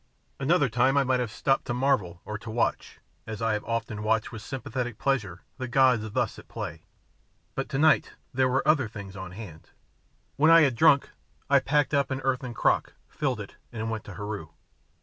Another time I might have stopped to marvel or to watch, as I have often watched with sympathetic pleasure, the gods thus at play; but tonight there were other things on hand. When I had drunk, I picked up an earthen crock, filled it, and went to Heru.